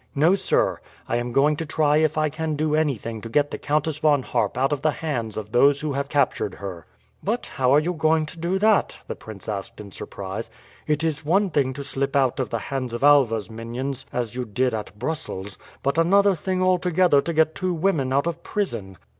"No, sir. I am going to try if I can do anything to get the Countess Von Harp out of the hands of those who have captured her." "But how are you going to do that?" the prince asked in surprise. "It is one thing to slip out of the hands of Alva's minions as you did at Brussels, but another thing altogether to get two women out of prison."